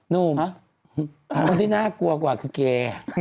หนุ่มคนที่น่ากลัวกว่าคือแก